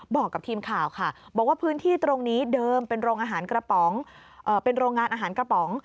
บอกกับทีมข่าวค่ะบอกว่าพื้นที่ตรงนี้เดิมเป็นโรงงานอาหารกระป๋อง